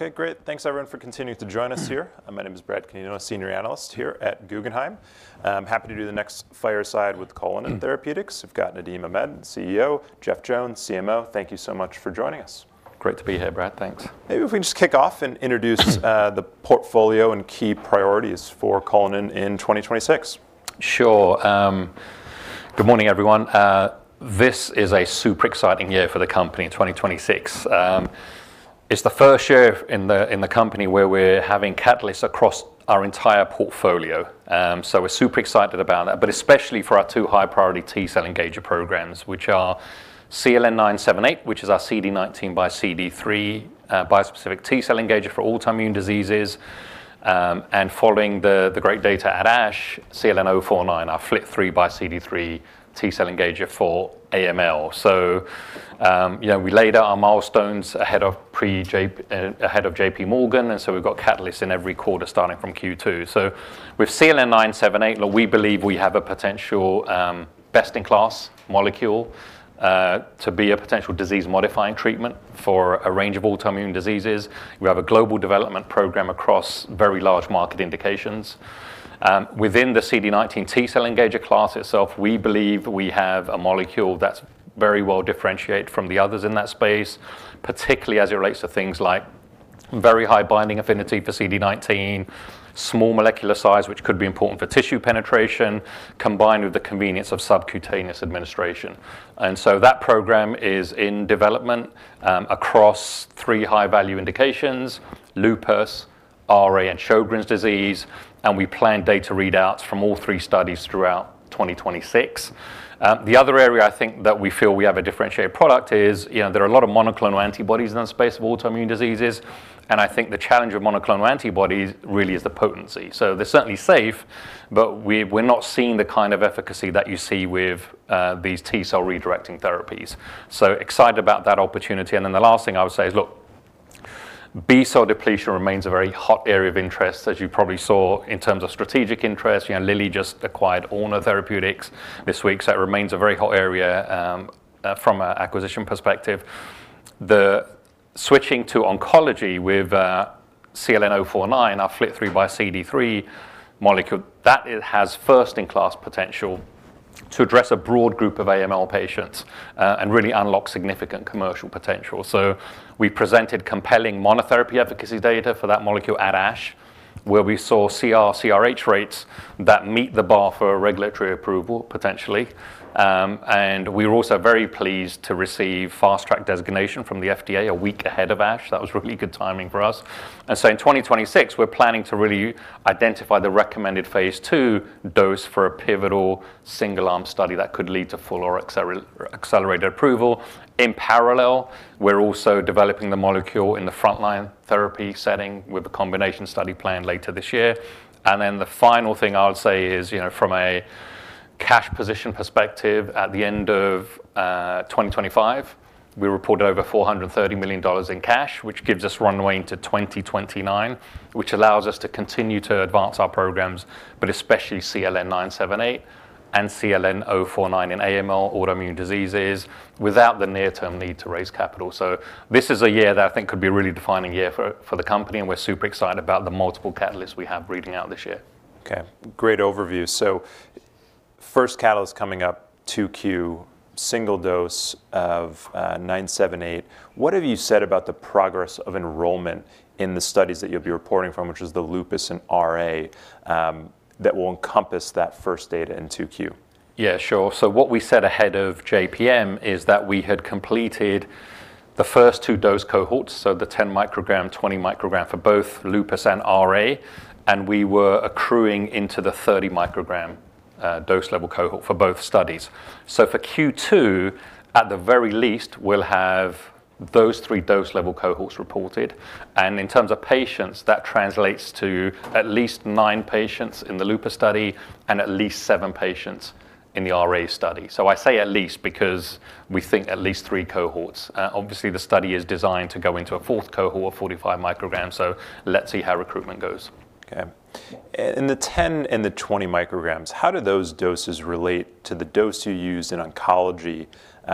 Okay, great. Thanks everyone for continuing to join us here. My name is Bradley Canino, Senior Analyst here at Guggenheim. I'm happy to do the next fireside with Cullinan Therapeutics. I've got Nadim Ahmed, CEO, Jeffrey Jones, CMO. Thank you so much for joining us. Great to be here, Brad. Thanks. Maybe if we can just kick off and introduce the portfolio and key priorities for Cullinan in 2026. Sure. Good morning, everyone. This is a super exciting year for the company, 2026. It's the first year in the company where we're having catalysts across our entire portfolio. So we're super excited about that, but especially for our two high-priority T cell engager programs, which are CLN-978, which is our CD19 x CD3 bispecific T cell engager for autoimmune diseases, and following the great data at ASH, CLN-049, our FLT3 x CD3 T cell engager for AML. So, you know, we laid out our milestones ahead of JPMorgan, and so we've got catalysts in every quarter starting from Q2. So with CLN-978, look, we believe we have a potential best-in-class molecule to be a potential disease-modifying treatment for a range of autoimmune diseases. We have a global development program across very large market indications. Within the CD19 T cell engager class itself, we believe we have a molecule that's very well differentiated from the others in that space, particularly as it relates to things like very high binding affinity for CD19, small molecular size, which could be important for tissue penetration, combined with the convenience of subcutaneous administration. And so that program is in development across three high-value indications: lupus, RA, and Sjögren's disease, and we plan data readouts from all three studies throughout 2026. The other area I think that we feel we have a differentiated product is, you know, there are a lot of monoclonal antibodies in the space of autoimmune diseases, and I think the challenge of monoclonal antibodies really is the potency. So they're certainly safe, but we're not seeing the kind of efficacy that you see with these T cell redirecting therapies. So excited about that opportunity. And then the last thing I would say is, look, B cell depletion remains a very hot area of interest, as you probably saw in terms of strategic interest. You know, Lilly just acquired Orna Therapeutics this week, so it remains a very hot area from an acquisition perspective. The switching to oncology with CLN-049, our FLT3xCD3 molecule, that it has first-in-class potential to address a broad group of AML patients, and really unlock significant commercial potential. So we presented compelling monotherapy efficacy data for that molecule at ASH, where we saw CR/CRh rates that meet the bar for regulatory approval, potentially. And we were also very pleased to receive Fast Track designation from the FDA a week ahead of ASH. That was really good timing for us. And so in 2026, we're planning to really identify the recommended Phase II dose for a pivotal single-arm study that could lead to full or accelerated approval. In parallel, we're also developing the molecule in the frontline therapy setting with a combination study planned later this year. And then the final thing I would say is, you know, from a cash position perspective, at the end of 2025, we reported over $430 million in cash, which gives us runway into 2029, which allows us to continue to advance our programs, but especially CLN-978 and CLN-049 in AML, autoimmune diseases, without the near-term need to raise capital. So this is a year that I think could be a really defining year for the company, and we're super excited about the multiple catalysts we have reading out this year. Okay, great overview. So first catalyst coming up, 2Q, single dose of CLN-978. What have you said about the progress of enrollment in the studies that you'll be reporting from, which is the lupus and RA, that will encompass that first data in 2Q? Yeah, sure. So what we said ahead of JPM is that we had completed the first two dose cohorts, so the 10 microgram, 20 microgram for both lupus and RA, and we were accruing into the 30 microgram dose level cohort for both studies. So for Q2, at the very least, we'll have those three dose level cohorts reported, and in terms of patients, that translates to at least nine patients in the lupus study and at least seven patients in the RA study. So I say at least because we think at least three cohorts. Obviously, the study is designed to go into a fourth cohort, 45 micrograms, so let's see how recruitment goes. Okay. In the 10 and the 20 micrograms, how do those doses relate to the dose you used in oncology,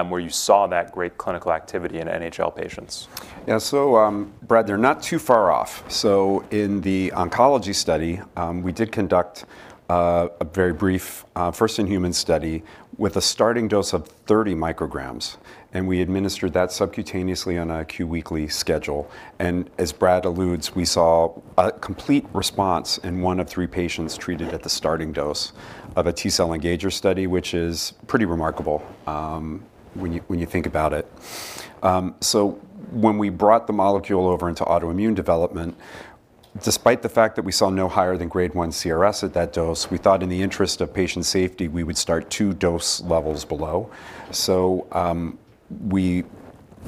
where you saw that great clinical activity in NHL patients? Yeah. So, Brad, they're not too far off. So in the oncology study, we did conduct a very brief first-in-human study with a starting dose of 30 micrograms, and we administered that subcutaneously on a Q-weekly schedule. And as Brad alludes, we saw a complete response in one of three patients treated at the starting dose of a T cell engager study, which is pretty remarkable when you think about it. So when we brought the molecule over into autoimmune development, despite the fact that we saw no higher than Grade 1 CRS at that dose, we thought in the interest of patient safety, we would start two dose levels below. So, we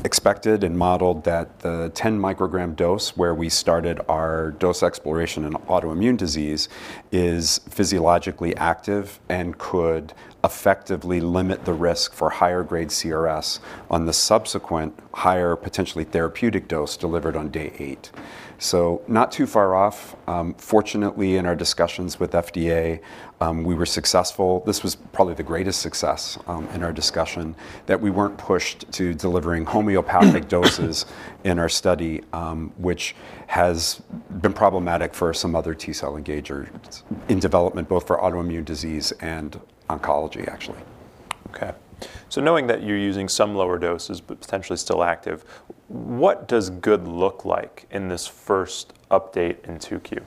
expected and modeled that the 10 microgram dose, where we started our dose exploration in autoimmune disease, is physiologically active and could effectively limit the risk for higher grade CRS on the subsequent higher, potentially therapeutic dose delivered on day eight. So not too far off. Fortunately, in our discussions with FDA, we were successful. This was probably the greatest success, in our discussion, that we weren't pushed to delivering homeopathic doses in our study, which has been problematic for some other T cell engagers in development, both for autoimmune disease and oncology, actually. Okay, so knowing that you're using some lower doses, but potentially still active, what does good look like in this first update in 2Q?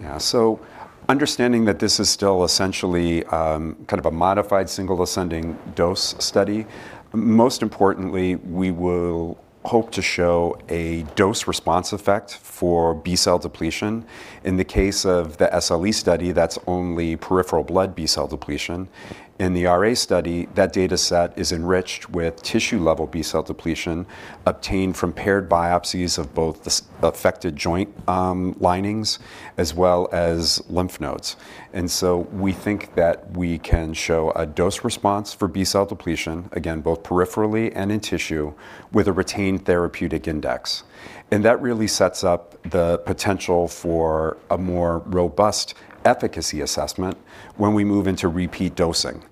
Yeah, so understanding that this is still essentially, kind of a modified single ascending dose study, most importantly, we will hope to show a dose response effect for B cell depletion. In the case of the SLE study, that's only peripheral blood B cell depletion. In the RA study, that data set is enriched with tissue-level B cell depletion obtained from paired biopsies of both the affected joint linings as well as lymph nodes. And so we think that we can show a dose response for B cell depletion, again, both peripherally and in tissue, with a retained therapeutic index. And that really sets up the potential for a more robust efficacy assessment when we move into repeat dosing.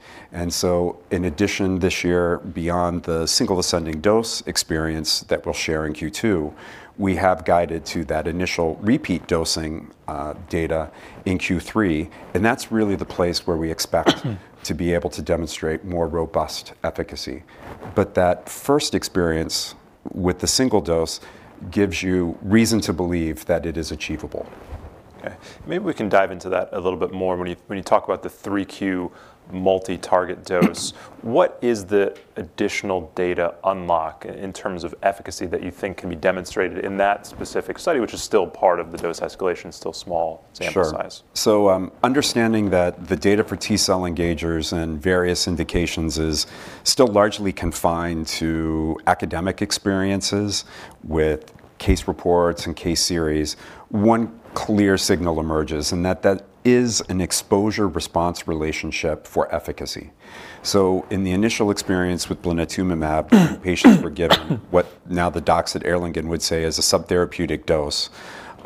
In addition, this year, beyond the single ascending dose experience that we'll share in Q2, we have guided to that initial repeat dosing data in Q3, and that's really the place where we expect to be able to demonstrate more robust efficacy. But that first experience with the single dose gives you reason to believe that it is achievable. Okay. Maybe we can dive into that a little bit more. When you, when you talk about the 3Q multi-target dose, what is the additional data unlock in terms of efficacy that you think can be demonstrated in that specific study, which is still part of the dose escalation, still small sample size? Sure. So, understanding that the data for T cell engagers and various indications is still largely confined to academic experiences with case reports and case series, one clear signal emerges, and that is an exposure-response relationship for efficacy. So in the initial experience with blinatumomab, patients were given what now the docs at Erlangen would say is a subtherapeutic dose,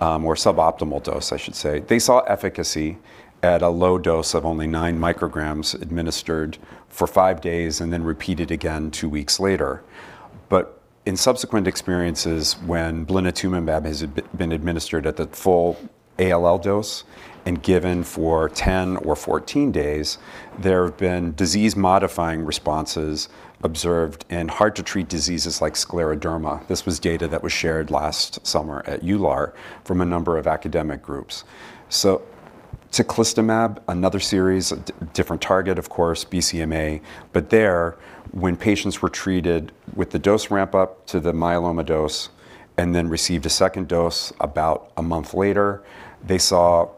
or suboptimal dose, I should say. They saw efficacy at a low dose of only 9 micrograms administered for 5 days and then repeated again two weeks later. But in subsequent experiences, when blinatumomab has been administered at the full ALL dose and given for 10 or 14 days, there have been disease-modifying responses observed in hard-to-treat diseases like scleroderma. This was data that was shared last summer at EULAR from a number of academic groups. So teclistamab, another series, different target, of course, BCMA, but there, when patients were treated with the dose ramp-up to the myeloma dose and then received a second dose about a month later, they saw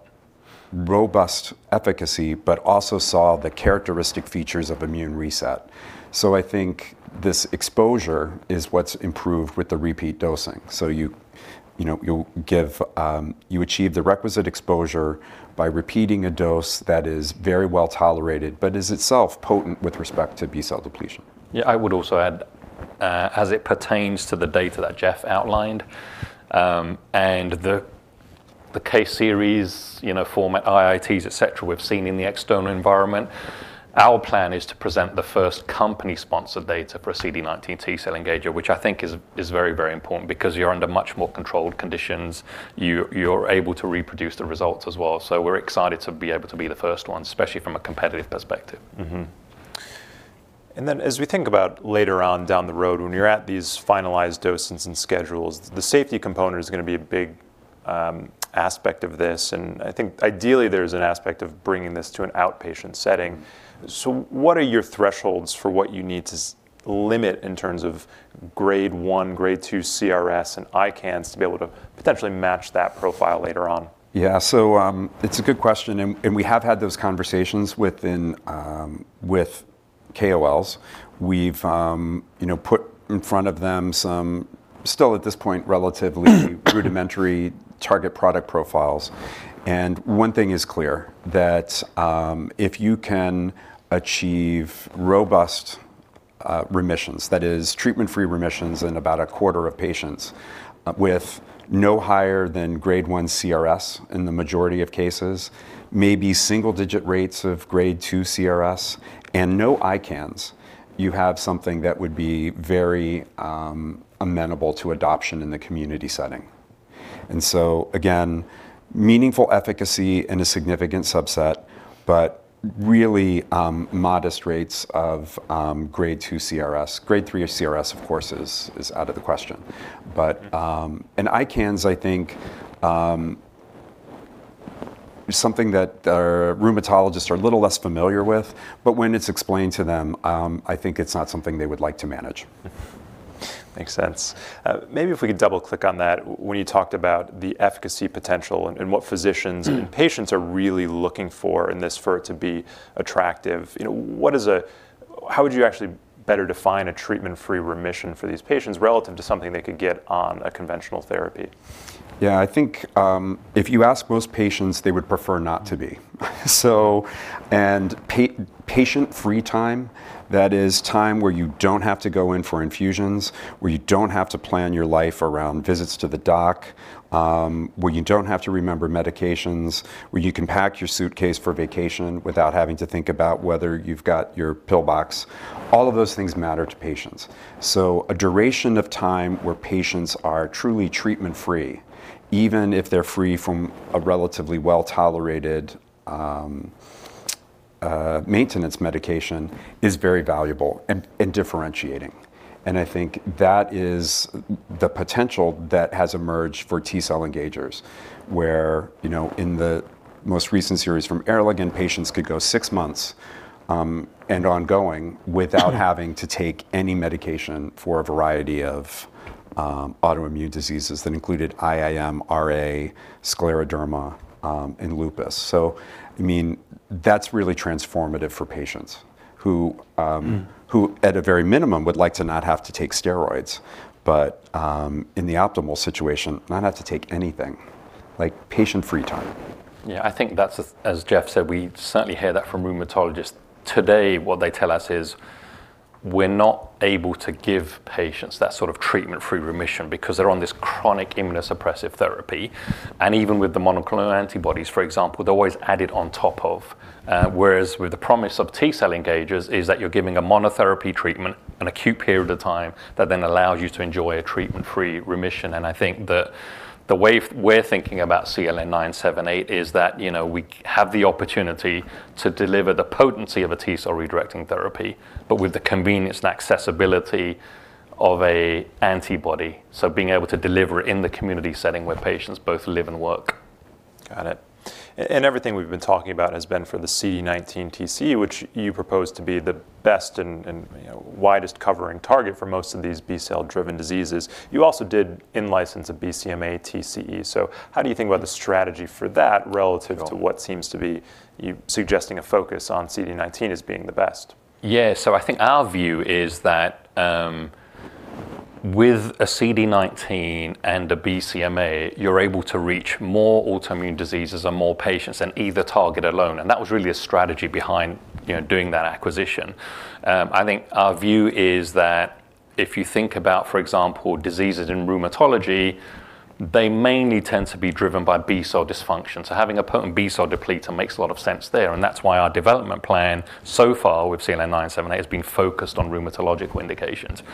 robust efficacy, but also saw the characteristic features of immune reset. So I think this exposure is what's improved with the repeat dosing. So you, you know, you'll give. You achieve the requisite exposure by repeating a dose that is very well-tolerated, but is itself potent with respect to B-cell depletion. Yeah, I would also add, as it pertains to the data that Jeff outlined, and the case series, you know, format, IITs, et cetera, we've seen in the external environment, our plan is to present the first company-sponsored data for a CD19 T-cell engager, which I think is, is very, very important because you're under much more controlled conditions. You're able to reproduce the results as well. So we're excited to be able to be the first ones, especially from a competitive perspective. Mm-hmm. And then, as we think about later on down the road, when you're at these finalized doses and schedules, the safety component is going to be a big aspect of this, and I think ideally, there's an aspect of bringing this to an outpatient setting. So what are your thresholds for what you need to limit in terms of Grade 1, Grade 2 CRS and ICANS to be able to potentially match that profile later on? Yeah. So, it's a good question, and we have had those conversations within with KOLs. We've, you know, put in front of them some, still at this point, relatively rudimentary target product profiles. And one thing is clear, that if you can achieve robust remissions, that is treatment-free remissions in about a quarter of patients with no higher than Grade 1 CRS in the majority of cases, maybe single-digit rates of Grade 2 CRS and no ICANS, you have something that would be very amenable to adoption in the community setting. And so again, meaningful efficacy in a significant subset, but really modest rates of Grade 2 CRS. Grade 3 CRS, of course, is out of the question. But- Mm-hmm.... and ICANS, I think, is something that our rheumatologists are a little less familiar with, but when it's explained to them, I think it's not something they would like to manage. Makes sense. Maybe if we could double-click on that, when you talked about the efficacy potential and what physicians and patients are really looking for in this for it to be attractive, you know, what is a... How would you actually better define a treatment-free remission for these patients relative to something they could get on a conventional therapy? Yeah, I think, if you ask most patients, they would prefer not to be. So, and patient-free time, that is time where you don't have to go in for infusions, where you don't have to plan your life around visits to the doc, where you don't have to remember medications, where you can pack your suitcase for vacation without having to think about whether you've got your pill box, all of those things matter to patients. So a duration of time where patients are truly treatment-free, even if they're free from a relatively well-tolerated maintenance medication is very valuable and, and differentiating. And I think that is the potential that has emerged for T cell engagers, where, you know, in the most recent series from Erlangen, patients could go six months, and ongoing without having to take any medication for a variety of, autoimmune diseases. That included IIM, RA, scleroderma, and lupus. So, I mean, that's really transformative for patients who, Mm-hmm.... who, at a very minimum, would like to not have to take steroids, but, in the optimal situation, not have to take anything. Like, patient free time. Yeah, I think that's, as Jeff said, we certainly hear that from rheumatologists. Today, what they tell us is, "We're not able to give patients that sort of treatment-free remission because they're on this chronic immunosuppressive therapy." And even with the monoclonal antibodies, for example, they're always added on top of..., whereas with the promise of T cell engagers is that you're giving a monotherapy treatment, an acute period of time, that then allows you to enjoy a treatment-free remission. And I think that the way we're thinking about CLN-978 is that, you know, we have the opportunity to deliver the potency of a T cell redirecting therapy, but with the convenience and accessibility of a antibody, so being able to deliver in the community setting where patients both live and work. Got it. And everything we've been talking about has been for the CD19 TCE, which you propose to be the best and, you know, widest covering target for most of these B-cell driven diseases. You also did in-license a BCMA TCE. So how do you think about the strategy for that relative- Sure... to what seems to be you suggesting a focus on CD19 as being the best? Yeah, so I think our view is that, with a CD19 and a BCMA, you're able to reach more autoimmune diseases and more patients than either target alone, and that was really a strategy behind, you know, doing that acquisition. I think our view is that if you think about, for example, diseases in rheumatology, they mainly tend to be driven by B-cell dysfunction. So having a potent B-cell depleter makes a lot of sense there, and that's why our development plan, so far with CLN-978, has been focused on rheumatological indications.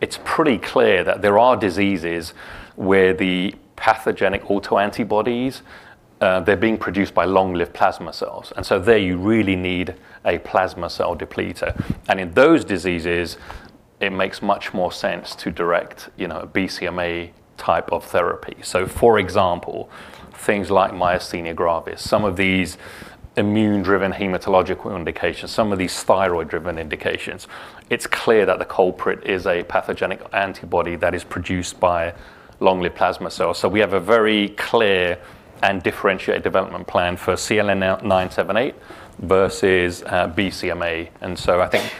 It's pretty clear that there are diseases where the pathogenic autoantibodies, they're being produced by long-lived plasma cells, and so there you really need a plasma cell depleter. In those diseases, it makes much more sense to direct, you know, a BCMA type of therapy. So, for example, things like myasthenia gravis, some of these immune-driven hematological indications, some of these thyroid-driven indications, it's clear that the culprit is a pathogenic antibody that is produced by long-lived plasma cells. So we have a very clear and differentiated development plan for CLN-978 versus BCMA. And so I think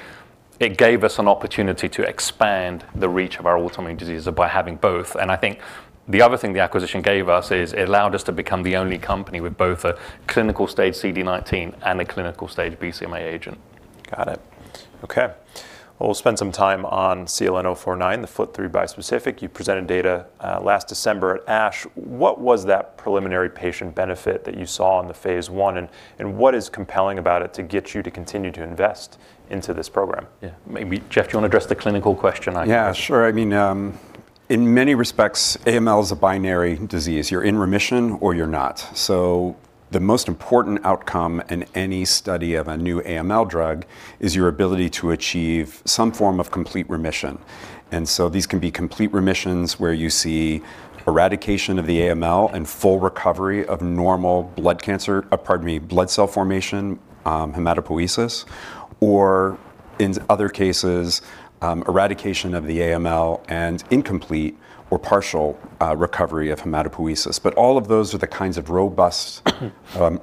it gave us an opportunity to expand the reach of our autoimmune diseases by having both. And I think the other thing the acquisition gave us is it allowed us to become the only company with both a clinical stage CD19 and a clinical stage BCMA agent. Got it. Okay. Well, we'll spend some time on CLN-049, the FLT3 bispecific. You presented data last December at ASH. What was that preliminary patient benefit that you saw in the Phase I, and what is compelling about it to get you to continue to invest into this program? Yeah. Maybe, Jeff, do you want to address the clinical question? I- Yeah, sure. I mean, in many respects, AML is a binary disease. You're in remission or you're not. So the most important outcome in any study of a new AML drug is your ability to achieve some form of complete remission. And so these can be complete remissions, where you see eradication of the AML and full recovery of normal blood cancer... pardon me, blood cell formation, hematopoiesis, or in other cases, eradication of the AML and incomplete or partial recovery of hematopoiesis. But all of those are the kinds of robust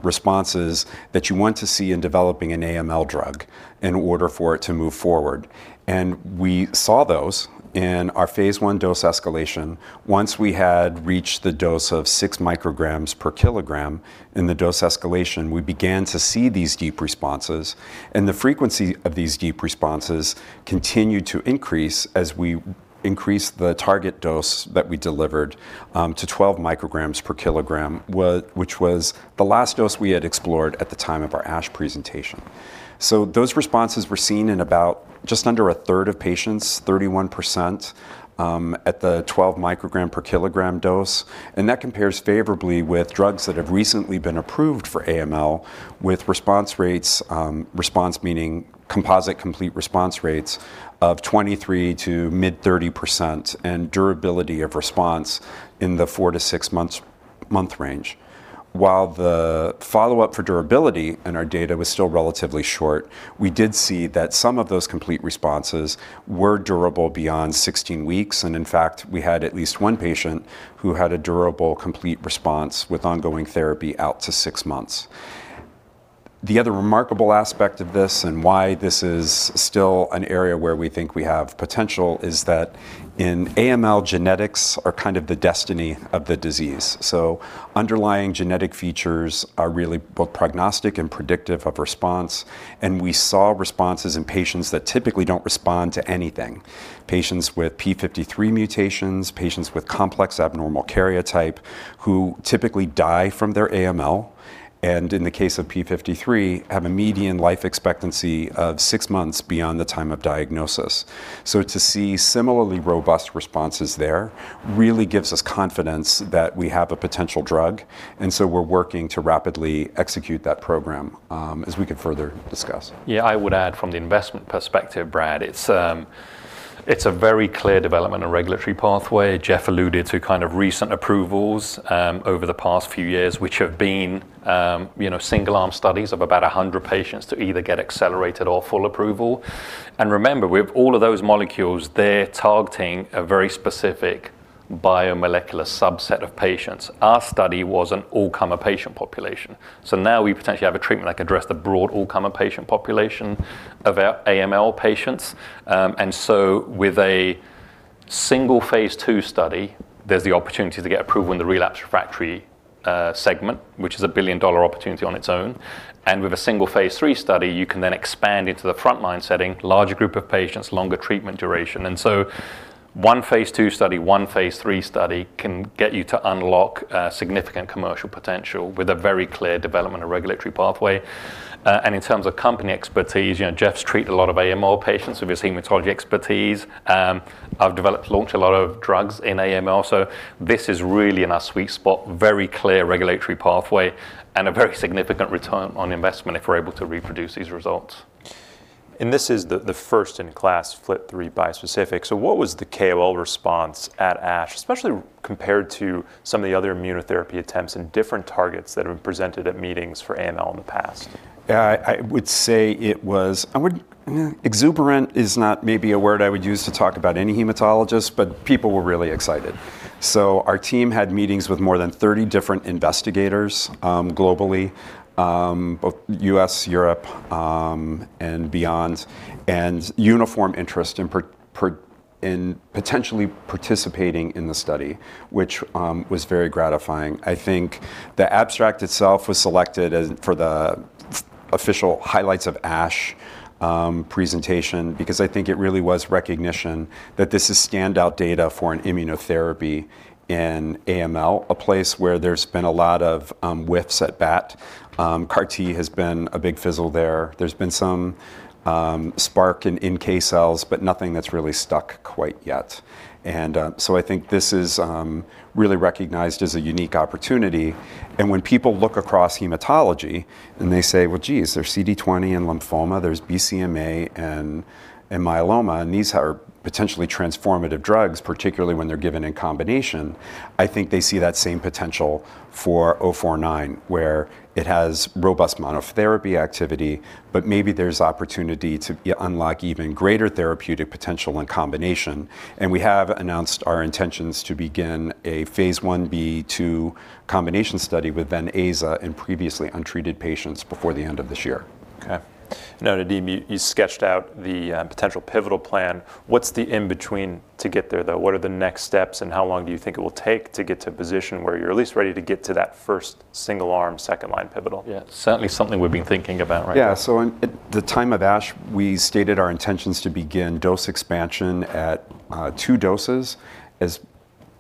responses that you want to see in developing an AML drug in order for it to move forward. And we saw those in our Phase I dose escalation. Once we had reached the dose of 6 micrograms per kilogram in the dose escalation, we began to see these deep responses, and the frequency of these deep responses continued to increase as we increased the target dose that we delivered, to 12 micrograms per kilogram, which was the last dose we had explored at the time of our ASH presentation. So those responses were seen in about just under a third of patients, 31%, at the 12 microgram per kilogram dose, and that compares favorably with drugs that have recently been approved for AML, with response rates, response meaning composite complete response rates of 23%-mid 30% and durability of response in the four to six months, month range. While the follow-up for durability in our data was still relatively short, we did see that some of those complete responses were durable beyond 16 weeks, and in fact, we had at least one patient who had a durable, complete response with ongoing therapy out to six months. The other remarkable aspect of this, and why this is still an area where we think we have potential, is that in AML, genetics are kind of the destiny of the disease. So underlying genetic features are really both prognostic and predictive of response, and we saw responses in patients that typically don't respond to anything. Patients with P53 mutations, patients with complex abnormal karyotype, who typically die from their AML, and in the case of P53, have a median life expectancy of six months beyond the time of diagnosis. So to see similarly robust responses there really gives us confidence that we have a potential drug, and so we're working to rapidly execute that program, as we can further discuss. Yeah, I would add from the investment perspective, Brad, it's a very clear development and regulatory pathway. Jeff alluded to kind of recent approvals over the past few years, which have been, you know, single arm studies of about 100 patients to either get accelerated or full approval. And remember, with all of those molecules, they're targeting a very specific biomolecular subset of patients. Our study was an all-comer patient population. So now we potentially have a treatment that can address the broad all-comer patient population of our AML patients. And so with a single Phase II study, there's the opportunity to get approved in the relapsed refractory segment, which is a billion-dollar opportunity on its own. And with a single Phase III study, you can then expand into the frontline setting, larger group of patients, longer treatment duration. And so one Phase II study, one Phase III study can get you to unlock significant commercial potential with a very clear development and regulatory pathway. And in terms of company expertise, you know, Jeff's treated a lot of AML patients with his hematology expertise. I've developed, launched a lot of drugs in AML, so this is really in our sweet spot, very clear regulatory pathway, and a very significant return on investment if we're able to reproduce these results. This is the first-in-class FLT3 bispecific. So what was the KOL response at ASH, especially compared to some of the other immunotherapy attempts and different targets that have been presented at meetings for AML in the past? Yeah, I would say it was. I would, exuberant is not maybe a word I would use to talk about any hematologist, but people were really excited. So our team had meetings with more than 30 different investigators, globally, both U.S., Europe, and beyond, and uniform interest in potentially participating in the study, which was very gratifying. I think the abstract itself was selected for the official highlights of ASH presentation, because I think it really was recognition that this is standout data for an immunotherapy in AML, a place where there's been a lot of whiffs at bat. CAR T has been a big fizzle there. There's been some spark in NK cells, but nothing that's really stuck quite yet. And so I think this is really recognized as a unique opportunity. When people look across hematology and they say: Well, geez, there's CD20 in lymphoma, there's BCMA in myeloma, and these are potentially transformative drugs, particularly when they're given in combination, I think they see that same potential for 049, where it has robust monotherapy activity, but maybe there's opportunity to unlock even greater therapeutic potential in combination. We have announced our intentions to begin a Phase 1b/2 combination study with AZA in previously untreated patients before the end of this year. Okay. Now, Nadim, you sketched out the potential pivotal plan. What's the in-between to get there, though? What are the next steps, and how long do you think it will take to get to a position where you're at least ready to get to that first single-arm, second-line pivotal? Yeah. Certainly something we've been thinking about right now. Yeah. So at the time of ASH, we stated our intentions to begin dose expansion at two doses as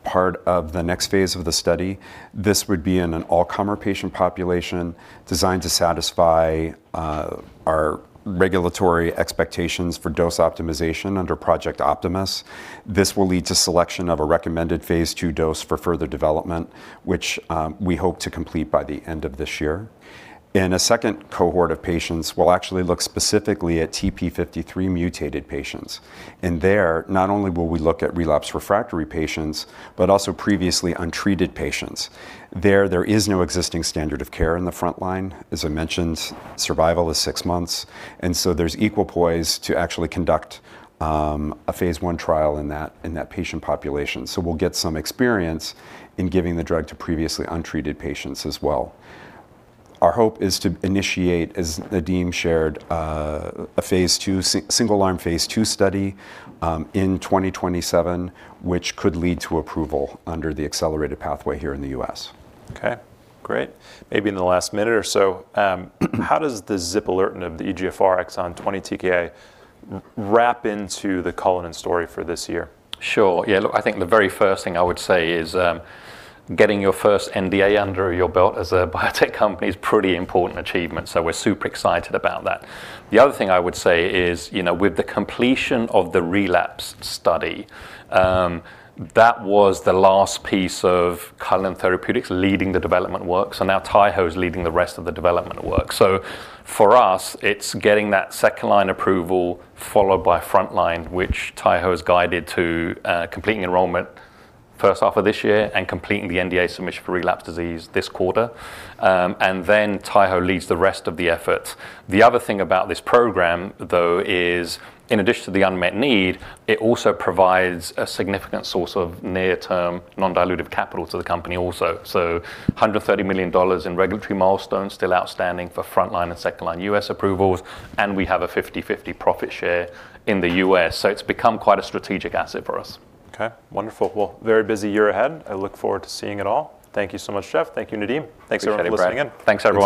part of the next phase of the study. This would be in an all-comer patient population, designed to satisfy our regulatory expectations for dose optimization under Project Optimus. This will lead to selection of a recommended Phase II dose for further development, which we hope to complete by the end of this year. In a second cohort of patients, we'll actually look specifically at TP53-mutated patients. And there, not only will we look at relapsed refractory patients, but also previously untreated patients. There is no existing standard of care in the frontline. As I mentioned, survival is six months, and so there's equal poise to actually conduct a Phase I trial in that patient population. We'll get some experience in giving the drug to previously untreated patients as well. Our hope is to initiate, as Nadim shared, a Phase II single-arm Phase II study in 2027, which could lead to approval under the accelerated pathway here in the U.S. Okay, great. Maybe in the last minute or so, how does the zipalertinib for the EGFR exon 20 TKI wrap into the Cullinan story for this year? Sure. Yeah, look, I think the very first thing I would say is, getting your first NDA under your belt as a biotech company is pretty important achievement, so we're super excited about that. The other thing I would say is, you know, with the completion of the relapsed study, that was the last piece of Cullinan Therapeutics leading the development work. So now Taiho is leading the rest of the development work. So for us, it's getting that second-line approval, followed by frontline, which Taiho has guided to, completing enrollment first half of this year and completing the NDA submission for relapsed disease this quarter. And then Taiho leads the rest of the effort. The other thing about this program, though, is in addition to the unmet need, it also provides a significant source of near-term, non-dilutive capital to the company also. $130 million in regulatory milestones still outstanding for frontline and second-line US approvals, and we have a 50/50 profit share in the U.S., so it's become quite a strategic asset for us. Okay, wonderful. Well, very busy year ahead. I look forward to seeing it all. Thank you so much, Jeff. Thank you, Nadim. Thanks for having me, Brad. Thanks, everyone, for tuning in. Thanks, everybody.